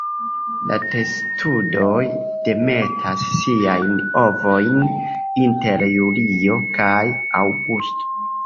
La testudoj demetas siajn ovojn inter julio kaj aŭgusto.